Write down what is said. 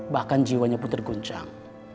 bahkan jiwanya pun terguncang